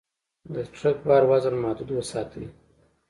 د ټرک بار وزن محدود وساتئ.